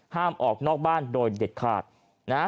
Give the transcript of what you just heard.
ห้ามออกนอกบ้านโดยเด็ดขาดนะฮะ